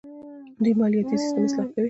دوی مالیاتي سیستم اصلاح کوي.